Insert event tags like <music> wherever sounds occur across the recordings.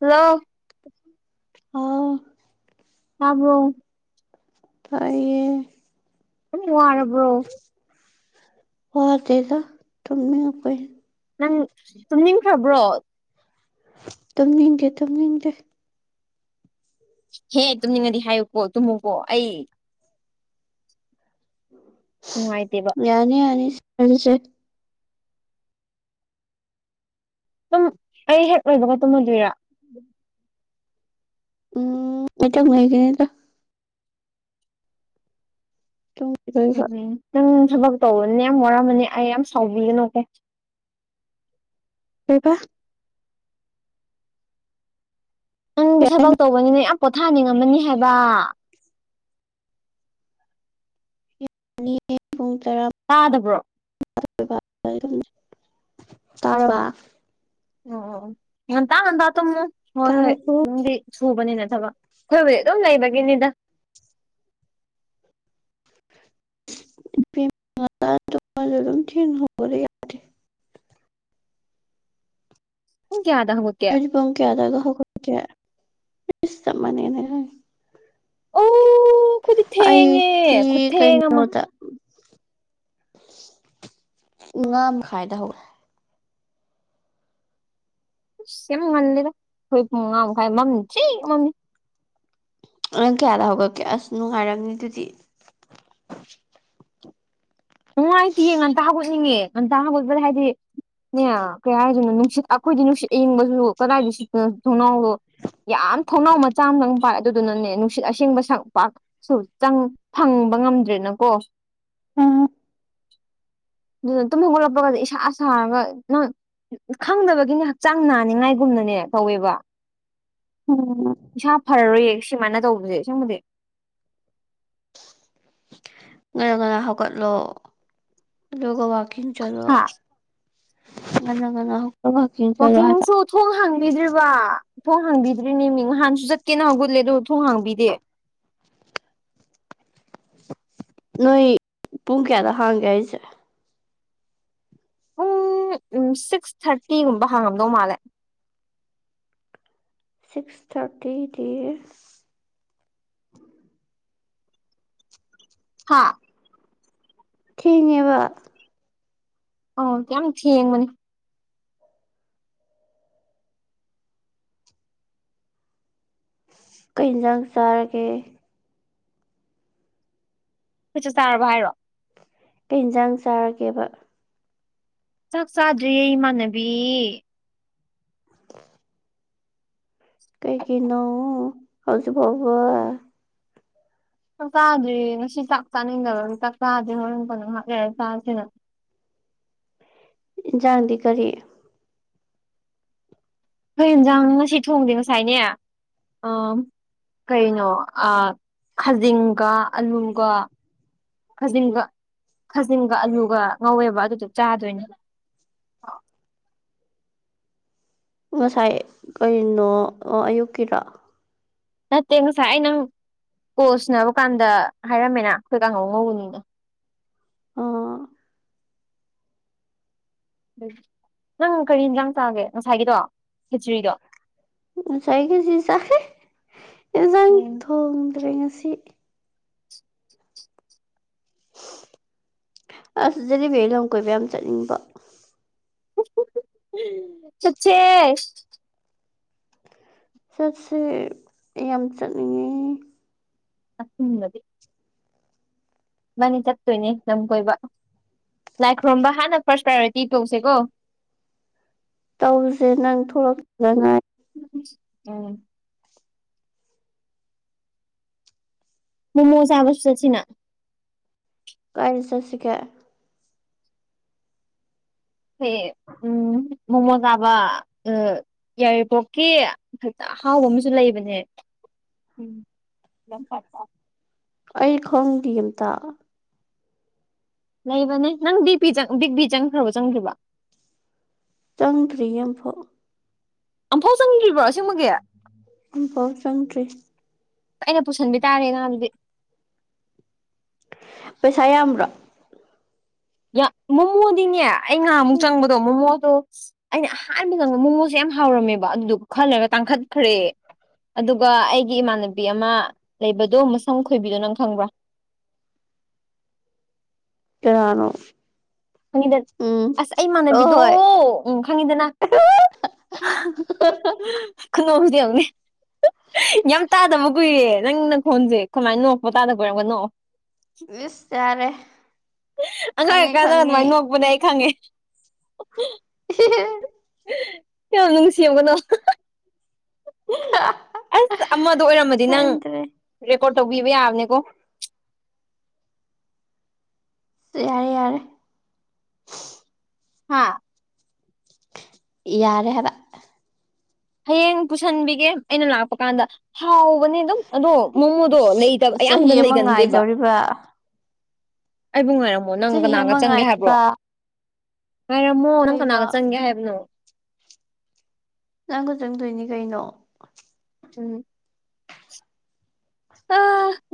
Hello ꯍꯥꯎ ꯇꯥꯕ꯭ꯔꯣ ꯇꯥꯏꯌꯦ <unintelligible> ꯋꯥꯔꯕ꯭ꯔꯣ ꯋꯥꯗꯦꯗ ꯇꯨꯝꯅꯤꯡꯉꯛꯄꯩꯅꯤ ꯅꯪ ꯇꯨꯝꯅꯤꯡꯈ꯭ꯔꯥꯕ꯭ꯔꯣ ꯇꯨꯝꯅꯤꯡꯗꯦ ꯇꯨꯝꯅꯤꯡꯗꯦ ꯍꯦ ꯇꯨꯝꯅꯤꯡꯉꯗꯤ ꯍꯥꯏꯌꯨꯀꯣ ꯇꯨꯝꯃꯨꯀꯣ ꯑꯩ ꯅꯨꯡꯉꯥꯏꯇꯦꯕ ꯌꯥꯅꯤ ꯌꯅꯤ ꯌꯥꯅꯤꯁꯦ ꯇꯨꯝ ꯑꯩ ꯍꯦꯛ ꯂꯣꯏꯕꯒꯇꯨꯝꯃꯗꯣꯏꯔꯥ ꯎꯝ ꯉꯥꯛꯇꯪ ꯂꯩꯒꯤꯅꯤꯗ ꯇꯨꯡ ꯎꯝ ꯎꯝ ꯅꯪ ꯊꯕꯛ ꯇꯧꯕꯅꯦ ꯌꯥꯝ ꯋꯥꯔꯝꯃꯅꯤ ꯑꯩ ꯌꯥꯝ ꯁꯥꯎꯕꯤꯒꯅꯨ ꯀꯦ ꯀꯩꯕ ꯅꯪꯗꯤ ꯀꯩ ꯊꯕꯛ ꯍꯥꯏꯅꯣ ꯇꯧꯕꯅꯤꯅ ꯌꯥꯝ ꯄꯣꯊꯥꯅꯤꯡꯉꯝꯃꯅꯤ ꯍꯥꯏꯕ <unintelligible> ꯄꯨꯡ ꯇꯔꯥ ꯇꯥꯗꯕ꯭ꯔꯣ ꯇꯥꯔꯕ ꯑꯣ ꯉꯟꯇꯥ ꯉꯟꯇꯥ ꯇꯩꯝꯃꯨ ꯍꯣꯏ ꯍꯣꯏ ꯇꯥꯔꯕꯣ ꯅꯪꯗꯤ ꯁꯨꯕꯅꯤꯅ ꯊꯕꯛ ꯑꯩꯈꯣꯏꯕꯨꯗꯤ ꯑꯗꯨꯝ ꯂꯩꯕꯒꯤꯅꯤꯗ <unintelligible> ꯄꯨꯡ ꯀꯌꯥꯗ ꯍꯧꯒꯠꯀꯦ ꯅꯣꯏꯗꯤ ꯄꯨꯡ ꯀꯌꯥ ꯑꯗꯥꯏꯗ ꯍꯧꯒꯠꯀꯦ ꯏꯁ ꯆꯞ ꯃꯥꯟꯅꯩ ꯑꯗꯣꯏꯗꯤ ꯑꯣ ꯑꯩꯈꯣꯏꯗꯤ ꯊꯦꯡꯉꯦ ꯑꯩꯗꯤ ꯈꯨꯊꯦꯡ ꯑꯃ ꯀꯩꯅꯣꯗ ꯃꯉꯥ ꯃꯈꯥꯏꯗ ꯍꯧꯋꯦ ꯑꯁ ꯌꯥꯝ ꯉꯜꯂꯤꯗ ꯑꯩꯈꯣꯏ ꯄꯨꯡ ꯃꯉꯥ ꯃꯈꯥꯏ ꯃꯝ ꯊꯤ ꯃꯝꯃꯤ ꯅꯪ ꯀꯌꯥꯗ ꯍꯧꯒꯠꯀꯦ ꯑꯁ ꯅꯨꯡꯉꯥꯏꯔꯝꯅꯤ ꯑꯗꯨꯗꯤ ꯅꯨꯡꯉꯥꯏꯇꯤꯌꯦ ꯉꯟꯇꯥ ꯍꯥꯒꯠꯅꯤꯡꯉꯦ ꯉꯟꯇꯥ ꯍꯥꯒꯠꯄꯗ ꯍꯥꯏꯗꯤ ꯅꯦ ꯀꯩ ꯍꯥꯏꯗꯣꯏꯅꯣ ꯅꯨꯡꯁꯤꯠ ꯑꯩꯈꯣꯏꯗꯤ ꯅꯨꯡꯁꯤꯠ ꯑꯏꯪꯕꯁꯨ ꯀꯗꯥꯏꯗ ꯁꯤꯠꯄꯅꯣꯊꯣꯡꯅꯥꯎ ꯌꯥꯝ ꯊꯣꯡꯅꯥꯎ ꯃꯆꯥ ꯑꯃꯗꯪ ꯄꯥꯏ ꯑꯗꯨꯗꯨꯅꯅꯦ ꯅꯨꯡꯁꯤꯠ ꯑꯁꯦꯡꯕ ꯄꯥꯛꯁꯨ ꯆꯪ ꯐꯪꯕ ꯉꯝꯗ꯭ꯔꯦꯅꯀꯣ ꯎꯝ ꯇꯨꯝ ꯍꯧꯒꯠꯂꯛꯄꯒ ꯏꯁꯥ ꯁꯥꯔꯒ ꯅꯪ ꯈꯪꯗꯅꯕꯒꯤꯅꯦ ꯍꯛꯆꯥꯡ ꯅꯥꯅꯤꯉꯥꯏꯒꯨꯝꯅꯅꯦ ꯇꯧꯋꯦꯕ ꯎꯝ ꯏꯁꯥ ꯐꯔꯔꯣꯏꯌꯦ ꯁꯤꯃꯥꯏꯅ ꯇꯧꯕꯗꯤ ꯑꯁꯦꯡꯕꯗꯤ ꯉꯟꯅ ꯉꯟꯅ ꯍꯧꯒꯠꯂꯣ ꯑꯗꯨꯒ ꯋꯥꯀꯤꯡ ꯆꯠꯂꯣ ꯍꯥ ꯉꯟꯅ ꯉꯟꯅ ꯍꯧꯒꯠ ꯋꯥꯀꯤꯡꯁꯨ ꯊꯣꯡ ꯍꯥꯡꯕꯤꯗ꯭ꯔꯤꯕ ꯊꯣꯡ ꯍꯥꯡꯕꯤꯗ꯭ꯔꯤꯅꯦ ꯃꯤ ꯅꯍꯥꯟꯁꯨ ꯆꯠꯀꯦꯅ ꯍꯧꯒꯠꯂꯦ ꯑꯗꯨꯒꯥ ꯊꯣꯡ ꯍꯥꯡꯕꯤꯗꯦ ꯅꯣꯏ ꯄꯨꯡ ꯀꯌꯥꯗ ꯍꯥꯡꯒꯦ ꯍꯥꯏꯖꯦ ꯄꯨꯡ ꯁꯤꯛꯁ ꯊꯥꯔꯇꯤꯒꯨꯝꯕ ꯍꯥꯡꯉꯝꯗꯧ ꯃꯥꯜꯂꯦ ꯁꯤꯛꯁ ꯊꯥꯔꯇꯤ ꯗꯤ ꯍꯥꯥ ꯊꯦꯡꯉꯦꯕ ꯑꯣ ꯌꯥꯝ ꯊꯦꯡꯕꯅꯤ ꯀꯩ ꯏꯟꯖꯥꯡ ꯆꯥꯔꯒꯦ ꯑꯩꯈꯣꯏ ꯆꯥꯛ ꯆꯥꯔꯕ ꯍꯥꯏꯔꯣ ꯀꯩ ꯏꯟꯖꯥꯡ ꯆꯥꯔꯒꯦꯕ ꯆꯥꯛ ꯆꯥꯗ꯭ꯔꯤ ꯏꯃꯥꯟꯅꯕꯤ ꯀꯩꯒꯤꯅꯣ ꯍꯧꯖꯤꯛꯐꯥꯎꯕ ꯆꯥꯛꯆꯥꯗ꯭ꯔꯤ ꯉꯁꯤ ꯆꯥꯛ ꯆꯥꯅꯤꯡꯗꯕꯒꯤ ꯆꯥꯛꯆꯥꯗꯦ ꯍꯣꯔꯦꯟ ꯀꯣꯟꯅ ꯉꯥꯏꯍꯛ ꯂꯩꯔ ꯆꯥꯁꯤꯅ꯫ ꯏꯟꯁꯥꯡꯗꯤ ꯀꯔꯤ ꯍꯣꯏ ꯌꯦꯟꯁꯥꯡ ꯉꯁꯤ ꯊꯣꯡꯗꯦ ꯉꯁꯥꯏꯅꯦ ꯑ ꯀꯩꯅꯣ ꯑꯥ ꯈꯥꯖꯤꯡꯒ ꯑꯂꯨꯒ ꯈꯥꯖꯤꯡꯒ ꯈꯥꯖꯤꯡꯒ ꯑꯂꯨꯒ ꯉꯧꯋꯦꯕ ꯑꯗꯨꯗꯣ ꯆꯥꯗꯣꯏꯅꯦ꯫ ꯉꯁꯥꯏ ꯀꯔꯤꯅꯣ ꯑꯌꯨꯛꯀꯤꯔꯣ꯫ ꯅꯠꯇꯦ ꯉꯁꯥꯏ ꯑꯩ ꯅꯪ ꯀꯣꯜ ꯁꯟꯅꯅꯕ ꯀꯥꯟꯗ ꯍꯥꯏꯔꯝꯃꯦꯅ ꯑꯩꯈꯣꯏ ꯀꯥꯡꯉꯧ ꯉꯧꯕꯅꯤꯅ꯫ ꯑꯥ ꯅꯪ ꯀꯔꯤ ꯌꯦꯟꯁꯥꯡ ꯆꯥꯒꯦ ꯉꯁꯥꯏꯒꯤꯗꯣ ꯍꯤꯆꯔꯤꯗꯣ ꯉꯁꯥꯏꯒꯁꯤ ꯆꯈꯔꯦ ꯌꯦꯟꯖꯥꯡ ꯎꯝ ꯊꯣꯡꯗ꯭ꯔꯦ ꯉꯁꯤ ꯑꯁ ꯖꯤꯂꯤꯚꯤ ꯑꯩ ꯂꯝ ꯀꯣꯏꯕ ꯌꯥꯝ ꯆꯠꯅꯤꯡꯕꯣ꯫ ꯆꯠꯁꯦ ꯆꯠꯁꯦ ꯌꯥꯝ ꯆꯠꯅꯤꯡꯉꯦ꯫ <unintelligible> ꯒꯗꯤ ꯃꯥꯅꯤ ꯆꯠꯇꯣꯏꯅꯦ ꯂꯝ ꯀꯣꯏꯕ ꯂꯥꯏ ꯈꯨꯔꯨꯝꯝꯕ ꯍꯥꯟꯅ ꯐꯥꯔꯁ ꯄ꯭ꯔꯥꯏꯌꯣꯔꯤꯇꯤ ꯇꯧꯁꯦꯀꯣ꯫ ꯇꯧꯁꯦ ꯅꯪ ꯊꯣꯛꯂꯛꯇꯨꯗ ꯉꯥꯏꯔꯦ꯫ ꯎꯝ ꯃꯣꯃꯣ ꯆꯕꯁꯨ ꯆꯠꯁꯤꯅ꯫ ꯀꯥꯏ ꯆꯠꯁꯤꯒꯦ ꯑꯩ ꯎꯝ ꯃꯣꯃꯣ ꯆꯕ ꯌꯥꯏꯔꯤꯄꯣꯛꯀꯤ ꯐꯖꯅ ꯑꯍꯥꯎꯕ ꯑꯃꯁꯨ ꯂꯩꯕꯅꯦ꯫ ꯎꯝ ꯂꯝ ꯄꯠꯇ ꯑꯩ ꯈꯪꯗꯤꯌꯦ ꯑꯝꯇ ꯂꯩꯕꯅꯦ ꯅꯪ ꯕꯤ ꯄꯤ ꯕꯤꯛ ꯕꯤ ꯆꯪꯈ꯭ꯔꯕ ꯆꯪꯗ꯭ꯔꯤꯕ꯫ ꯆꯪꯗ꯭ꯔꯤ ꯑꯃꯨꯛꯐꯥꯎ ꯑꯝꯐꯥꯎ ꯆꯪꯗ꯭ꯔꯤꯕ꯭ꯔꯣ ꯑꯁꯦꯡꯕꯒꯤ꯫ ꯑꯝꯐꯥꯎ ꯆꯪꯗ꯭ꯔꯤ ꯑꯩꯅ ꯄꯨꯁꯟꯕꯤ ꯇꯥꯔꯦ ꯅꯪ ꯑꯗꯨꯗꯤ꯫ ꯄꯩꯁꯥ ꯌꯥꯝꯕ꯭ꯔꯣ꯫ ꯌꯥꯝ ꯃꯣꯃꯣꯗꯤꯅꯦ ꯑꯩ ꯉꯍꯥꯃꯨꯛ ꯆꯪꯕꯗꯣ ꯃꯣꯃꯣꯗꯣ ꯑꯩꯅ ꯑꯍꯥꯟꯕ ꯆꯪꯕꯗꯣ ꯃꯣꯉꯣꯁꯦ ꯌꯥꯝ ꯍꯥꯎꯔꯝꯃꯦꯕ ꯑꯗꯨꯗꯨ ꯈꯔ ꯂꯩꯔꯥ ꯇꯥꯡꯈꯠꯈ꯭ꯔꯦ꯫ ꯑꯗꯨꯒ ꯑꯩꯒꯤ ꯏꯃꯥꯟꯅꯕꯤ ꯑꯃ ꯂꯩꯕꯗꯣ ꯃꯁꯝ ꯈꯣꯏꯕꯤꯗꯣ ꯅꯪ ꯈꯪꯕ꯭ꯔꯥ꯫ ꯀꯅꯅꯣ? ꯈꯪꯉꯤꯗꯅ ꯑꯁ ꯍꯣꯏ ꯑꯩꯃꯥꯟꯅꯕꯤꯗꯣ ꯍꯣꯏ ꯎꯝ ꯈꯪꯉꯤꯗꯅ <unintelligible> ꯈꯨꯅꯦꯛꯁꯦ ꯌꯦꯡꯉꯨꯅꯦ ꯌꯥꯝ ꯇꯥꯗꯕ ꯀꯨꯏꯔꯦ ꯅꯪ ꯅꯪ ꯈꯣꯟꯁꯦ꯫ ꯁꯨꯃꯥꯏ ꯅꯣꯛꯄ ꯇꯥꯗ ꯀꯨꯏꯔꯦ ꯑꯃꯨꯛꯀ ꯅꯣꯛꯑꯣ꯫ ꯏꯁ ꯌꯥꯔꯦ ꯈꯪꯉꯤ ꯈꯪꯉꯤ ꯄꯨꯅꯦ ꯑꯩ ꯈꯪꯉꯦ <unintelligible> ꯌꯥꯝ ꯅꯨꯡꯁꯤ ꯑꯃꯨꯛꯀ ꯅꯣꯛꯑꯣ ꯑꯁ ꯑꯃꯗꯣ ꯑꯣꯏꯔꯝꯃꯗꯤ ꯅꯪ ꯈꯪꯗ꯭ꯔꯦ ꯔꯦꯀꯣꯔꯠ ꯇꯧꯕꯤꯕ ꯌꯥꯕꯅꯦꯀꯣ꯫ ꯌꯥꯔꯦ ꯌꯥꯔꯦ ꯍꯥꯥ ꯌꯥꯔꯦ ꯍꯥꯏꯕ ꯍꯌꯦꯡ ꯄꯨꯁꯥꯟꯕꯤꯒꯦ ꯑꯩꯅ ꯂꯥꯛꯄ ꯀꯥꯟꯗ ꯍꯥꯎꯕꯅꯦ ꯑꯗꯨꯝ ꯑꯗꯣ ꯃꯣꯃꯣꯗꯣ ꯂꯩꯇꯕ ꯑꯌꯥꯝꯕꯅ ꯂꯩꯒꯟꯗꯦꯕ ꯕꯥ ꯑꯩꯕꯨꯨ ꯉꯥꯏꯔꯝ ꯑꫭ ꯅꯪ ꯆꯍꯤ ꯀꯅꯥꯒ ꯑꯃ ꯆꯪꯒꯦ ꯍꯥꯏꯕ꯭ꯔꯣ ꯉꯥꯏꯕ ꯉꯥꯏꯔꯝꯃꯣ ꯅꯪ ꯀꯩꯕ ꯀꯅꯥꯒ ꯆꯪꯒꯦ ꯍꯥꯏꯕꯅꯣ ꯅꯪꯒ ꯆꯪꯗꯣꯏꯅꯤ ꯀꯩꯅꯣ ꯎꯝ ꯑ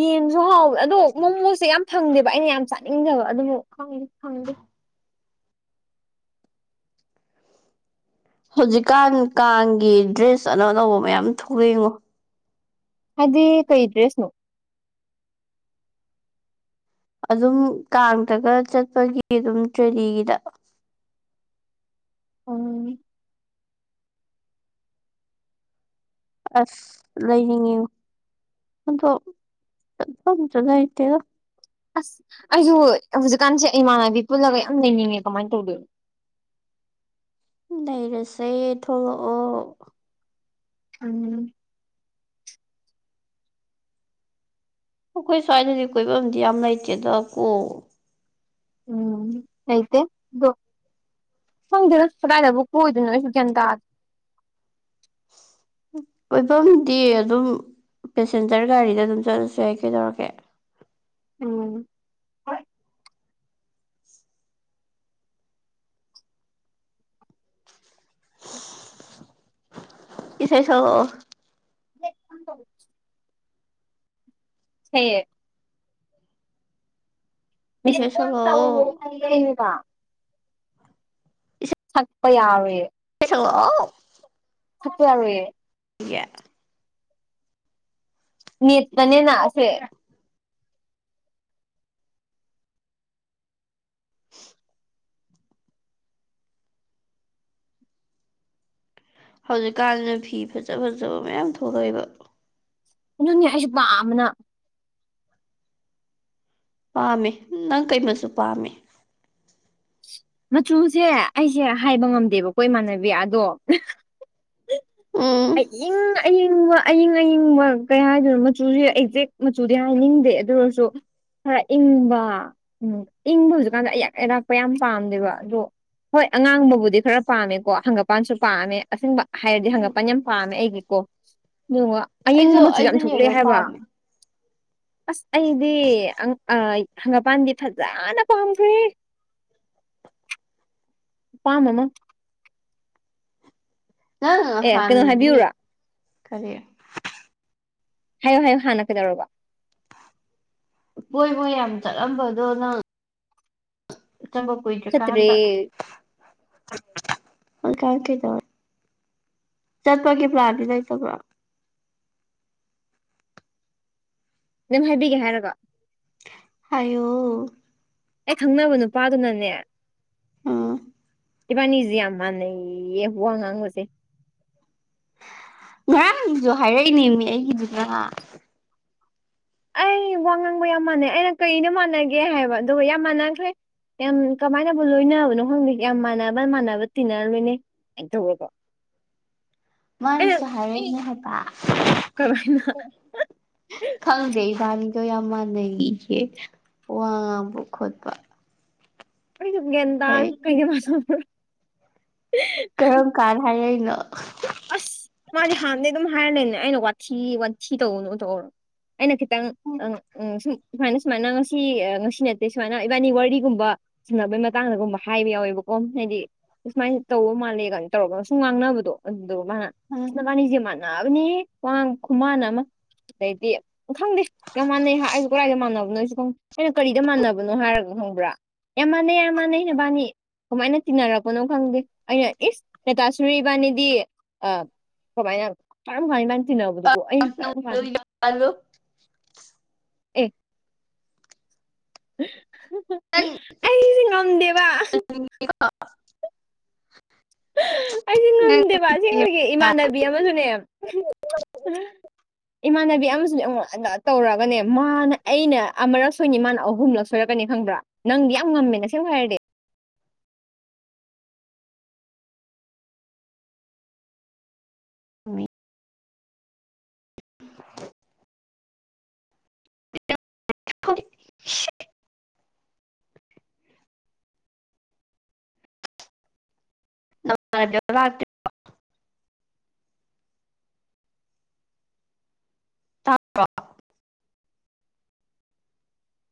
ꯌꯦꯟꯁꯨ ꯍꯥꯎꯋꯦ ꯑꯥ ꯗꯣ ꯃꯣꯃꯣꯁꯦ ꯌꯥꯝ ꯐꯪꯗꯦꯕ ꯑꯩꯅ ꯌꯥꯝ ꯆꯥꯅꯤꯡꯂꯒꯥ ꯑꯗꯨꯕꯨ ꯈꯪꯗꯦ ꯐꯪꯗꯦ ꯍꯧꯖꯤꯛꯀꯥꯟ ꯀꯥꯡꯒꯤ ꯗ꯭ꯔꯦꯁ ꯑꯅꯧ ꯑꯅꯧꯕ ꯃꯌꯥꯝ ꯊꯣꯛꯂꯛꯑꯦꯉꫭ ꯍꯥꯏꯗꯤ ꯀꯩ ꯗ꯭ꯔꯦꯁꯅꫭ ꯑꯗꯨꯝ ꯀꯥꯡꯗꯒ ꯆꯠꯄꯒꯤ ꯑꯗꯨꯝ ꯇ꯭ꯔꯥꯗꯤꯒꯤꯗ ꯎꯝ ꯑꯁ ꯂꯩꯅꯤꯡꯉꯤꯉꯦ ꯑꯗꯣ ꯑꯗꯨꯝ ꯁꯨ ꯂꯩꯇꯦꯗ ꯑꯁ ꯑꯩꯁꯨ ꯍꯧꯖꯤꯛꯀꯥꯟꯁꯦ ꯏꯃꯥꯟꯅꯕꯤ ꯄꯨꯜꯂꯒ ꯌꯥꯝ ꯂꯩꯅꯤꯡꯉꯦ ꯀꯃꯥꯏ ꯇꯧꯗꯣꯏꯅꯣ ꯂꯩꯔꯁꯦ ꯊꯣꯛꯂꯛꯑꯣ ꯎꯝ꯫ ꯑꯩꯈꯣꯏ ꯁ꯭ꯋꯥꯏꯗꯗꯤ ꯀꯣꯏꯕꯗꯤ ꯌꯥꯝ ꯂꯩꯇꯦꯗ ꯀꯣ ꯎꯝ ꯂꯩꯇꯦ ꯗꫭ ꯈꯪꯗ꯭ꯔꯦ ꯀꯗꯥꯏꯗꯕꯨ ꯀꯣꯏꯗꯣꯏꯅꯣ ꯑꯩꯁꯨ ꯒ꯭ꯌꯥꯟ ꯇꯥ ꯀꫭꯏꯐꯝꯗꯤ ꯑꯗꯨꯝ ꯄꯦꯁꯦꯟꯖꯔ ꯒꯥꯔꯤꯗ ꯑꯗꯨꯝ ꯆꯠꯂꯁꯨ ꯌꯥꯏ ꯀꯩꯗꯧꯔꯒꯦ ꯎꯝ꯫ ꯏꯁꯩꯥ ꯁꯛꯂꯛꯑꫭ ꯕ꯭ꯂꯦꯛ ꯌꯥꯝ ꯇꯧꯔ ꯁꯩꯌꯦ ꯃꯤꯁ꯭ꯠ ꯏꯁꯩ ꯀꯣꯜ ꯇꯧ ꯁꯛꯂꯛꯑꯣ <unintelligible> ꯁꯛꯄ ꯌꯥꯔꫭꯏꯌꯦ ꯏꯁꯩ ꯁꯛꯂꯛꯑꫭ ꯁꯛꯄ ꯌꯥꯔꫭꯏꯌꯦ ꯌꯥ ꯅꯦꯠ ꯇꯥꯅꯦꯅ ꯑꯁꯦ <inaudible> ꯍꯧꯖꯤꯛꯀꯥꯟꯁꯤꯅ ꯐꯤ ꯐꯖ ꯐꯖꯕ ꯃꯌꯥꯝ ꯊꯣꯛꯂꯛꯑꯦꯕ ꯑꯗꯨꯅꯦ ꯑꯩꯁꯨ ꯄꯥꯝꯕꯅ ꯄꯥꯝꯃꯦ ꯅꯪ ꯀꯩꯃꯆꯨ ꯄꯥꯝꯃꯦ ꯃꯆꯨꯁꯦ ꯑꯩꯁꯦ ꯍꯥꯏꯕ ꯉꯝꯗꯦꯕꯀꯣ ꯏꯃꯥꯟꯅꯕꯤ ꯑꯗꯣ ꯎꯝ ꯑꯏꯤꯡ ꯑꯏꯤꯡ ꯏꯤꯡꯕ ꯑꯏꯤꯡ ꯑꯏꯤꯡꯕ ꯀꯩ ꯍꯥꯏꯗꯣꯏꯅꯣ ꯃꯆꯨꯁꯦ ꯑꯦꯛꯖꯦꯛ ꯃꯆꯨꯗꯤ ꯍꯥꯏꯅꯤꯡꯗꯦ ꯑꯗꯨ ꯑꯣꯏꯔꯁꯨ ꯈꯔ ꯏꯪꯕ ꯎꯝ ꯏꯪꯕ ꯍꯧꯖꯤꯛꯀꯥꯟꯗ ꯑꯌꯥꯛ ꯑꯔꯛꯄ ꯌꯥꯝ ꯄꯥꯝꯗꯦꯕ ꯑꯗꯣ ꯍꯣꯏ ꯑꯉꯥꯡꯕꯕꯨꯗꯤ ꯈꯔ ꯄꯥꯝꯃꯦꯀꯣ ꯍꯪꯒꯄꯥꯟꯁꯨ ꯄꯥꯝꯃꯦ ꯑꯁꯦꯡꯕ ꯍꯥꯏꯔꯗꯤ ꯍꯪꯒꯄꯥꯟ ꯌꯥꯝ ꯄꯥꯝꯃꯦ ꯑꯩꯒꯤꯀꯣ ꯑꯗꯨꯉꫭ ꯑꯩꯁꯨ ꯑꯏꯤꯡꯕ ꯃꯆꯨ ꯑꯩꯁꯨ ꯌꯥꯝ ꯌꯦꯜꯂꯣ ꯊꯣꯛꯂꯛꯑꯦ ꯍꯥꯏꯕ ꯄꯥꯝꯃꯦ ꯑꯁ ꯑꯩꯗꯤ ꯑꯪ ꯑ ꯍꯪꯒꯥꯜꯄꯥꯟꯗꯤ ꯐꯖꯅꯥ ꯄꯥꯝꯈ꯭ꯔꯦ꯫ ꯄꯥꯝꯕ ꯑꯃ ꯅꯪ ꯑꯦ ꯀꯩꯅꯣ ꯍꯥꯟꯅꯗꯤ ꯍꯥꯏꯕꯤꯌꯨꯔꯥ ꯀꯔꯤ ꯍꯥꯏꯌꯨ ꯍꯥꯏꯌꯨ ꯍꯥꯟꯅ ꯀꯩꯗꯧꯔꯕ ꯀꫭꯏꯕ ꯌꯥꯝ ꯆꯠꯂꯝꯕꯗꯣ ꯅꯪ ꯆꯝꯕ ꯆꯠꯇ꯭ꯔꯦ ꯀꯨꯏꯗ꯭ꯔꯀꯥꯟꯗꯀꯥꯟ <unintelligible> ꯀꯩꯗꯧꯔꯦ ꯆꯠꯄꯒꯤ ꯄꯥꯂꯟꯗꯤ ꯂꯩꯇꯕ꯭ꯔꯣ ꯅꯪ ꯍꯥꯏꯕꯤꯒꯦ ꯍꯥꯏꯔꯕꯥ ꯍꯥꯏꯌꯣ ꯑꯩ ꯈꯪꯅꯕ ꯅꯨꯄꯥꯗꯨꯅꯅꯦ ꯎꯝ ꯏꯕꯥꯅꯤꯖꯤ ꯌꯥꯝꯃꯅꯩꯌ‌ꯦ ꯋꯥꯉꯥꯡꯕꯁꯦ ꯉꯔꯥꯡꯁꯨ ꯍꯥꯏꯔꯛꯏꯅꯦꯃꯤ ꯑꯩꯒꯤꯗꯨꯗ ꯃꯥ ꯑꯩ ꯋꯥ ꯉꯥꯡꯕ ꯌꯥꯝ ꯃꯥꯟꯅꯩ ꯑꯩꯅ ꯀꯩꯗ ꯃꯥꯟꯅꯒꯦ ꯍꯥꯏꯕ ꯑꯗꯨꯒ ꯌꯥꯝ ꯃꯥꯟꯅꯈ꯭ꯔꯦ ꯌꯥꯝ ꯀꯃꯥꯏꯅꯕꯨ ꯂꯣꯏꯅꯕꯅꯣ ꯈꯪꯗꯦ ꯌꯥꯝ ꯃꯥꯟꯅꯕ ꯃꯥꯟꯅꯕ ꯇꯤꯟꯅꯔꯝꯃꯤꯅ‌ꯦ ꯑꯦꯗ ꯍꯒꯣ <unintelligible> ꯃꯥꯅꯁꯨ ꯍꯥꯏꯔꯛꯏꯅꯦ ꯍꯥꯏꯕ ꯀꯃꯥꯏꯅ ꯈꯪꯗꯦ ꯏꯕꯥꯥꯅꯤꯗꯣ ꯌꯥꯝ ꯃꯥꯟꯅꯩꯏꯌ‌ꯦ ꯋꯥ ꯉꯥꯡꯕ ꯈꯣꯠꯄꯥ ꯑꯩꯒꯗ ꯀꯩꯅ ꯃꯥꯁ <unintelligible> ꯀꯔꯝ ꯀꯥꯟ ꯍꯥꯏꯔꯛꯏꯅꯣ ꯑꯁ ꯃꯥꯗꯤ ꯍꯥꯟꯅꯗꯩ ꯑꯗꯨꯝ ꯍꯥꯏꯔ ꯂꯩꯕꯅꯦ ꯑꯩꯅ ꯋꯥꯊꯤ ꯋꯥꯊꯤ ꯇꯧꯒꯅꯣ ꯇꯧꯔꯥ ꯑꯩꯅ ꯈꯤꯇꯪ ꯑꯥ ꯎꯝ ꯁꯨꯝ ꯁꯨꯃꯥꯏꯅ ꯁꯨꯃꯥꯏꯅ ꯉꯁꯤ ꯉꯁꯤ ꯅꯠꯇꯦ ꯁꯨꯃꯥꯏꯅ ꯏꯕꯥꯅꯤ ꯋꯥꯔꯤꯒꯨꯝꯕ ꯁꯥꯟꯅꯕꯩ ꯃꯇꯥꯡꯗꯒꯨꯝꯕ ꯍꯥꯏꯕ ꯌꯥꯎꯋꯦꯕꯀꯣ ꯍꯥꯏꯗꯤ ꯁꯨꯃꯥꯏꯅ ꯇꯧꯕ ꯃꯥꯜꯂꯦ ꯀꯥꯏꯅ ꯇꯧꯔꯒ ꯁꯨꯝ ꯉꯥꯡꯅꯕꯗꯣ ꯑꯗꯨꯗꯨꯒ ꯃꯥꯅ ꯑꯁ ꯃꯥꯅꯤꯕꯁꯦ ꯃꯥꯥꯟꯅ ꯌꯥꯅꯥꯕꯅꯤꯍ‌ꯦ ꯋꯥꯉꯥꯡ ꯈꯨꯃꯥꯟꯅꯥ ꯑꯃꯥ ꯑꯗꯩꯗꯤ ꯈꯪꯗꯦ ꯌꯥꯝ ꯃꯥꯟꯅꯩ ꯍꯥꯏ ꯑꯩꯁꯨ ꯀꯗꯥꯏꯗ ꯃꯥꯟꯅꯕꯅꯣꯁꯨ ꯈꯪꯗꯦ ꯑꯩꯅꯥ ꯀꯔꯤꯗ ꯃꯥꯟꯅꯕꯅꯣ ꯍꯥꯏꯔꯒ ꯈꯪꯕ꯭ꯔꯥ ꯌꯥꯝ ꯃꯥꯟꯅꯩ ꯌꯥꯝ ꯃꯥꯟꯅꯩ ꯅꯕꯥꯅꯤ ꯀꯃꯥꯏꯅ ꯇꯤꯟꯅꯔꯛꯄꯅꯣ ꯈꯪꯗꯦ ꯑꯩꯅ ꯏꯁ ꯅꯦꯇꯥ ꯁꯔꯤ ꯏꯕꯥꯅꯤ <unintelligible> ꯑꯥ ꯀꯃꯥꯏꯅ ꯀꯔꯝ ꯀꯥꯟ ꯃꯥꯥꯕꯅꯤ ꯇꯤꯟꯅꯕꯗꯨ ꯑꯩꯅ ꯀꯔꯝ ꯣ <unintelligible> ꯑꯦ ꯑꯩꯁꯦ ꯉꯝꯗꯦꯕ <unintelligible> ꯑꯩ ꯉꯝꯗꯦꯕ ꯑꯁꯦꯡꯕꯒꯤ ꯏꯃꯥꯟꯅꯕꯤ ꯑꯃꯁꯨꯅꯦ ꯏꯃꯥꯟꯅꯕꯤ ꯑꯃꯁꯨꯅꯦ ꯑꯩꯉꯣꯟꯗ ꯇꯧꯔꯒꯅꯦ ꯃꯥꯅ ꯑꯩꯅ ꯑꯃꯔꯛ ꯁꯣꯏꯅꯤ ꯃꯥꯅ ꯑꯍꯨꯝꯂꯛ ꯁꯣꯏꯔꯛꯀꯅꯤ ꯈꯪꯕ꯭ꯔꯥ ꯅꯪ ꯌꯥꯝ ꯉꯝꯃꯦ ꯑꯁꯦꯡꯕ ꯍꯥꯏꯔꯗꯤ <inaudible> <unintelligible> <unintelligible> ꯊꯥꯡ <unintelligible>